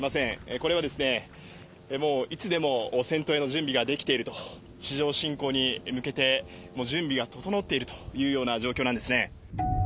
これは、もういつでも戦闘への準備ができていると、地上侵攻に向けて、もう準備が整っているというような状況なんですね。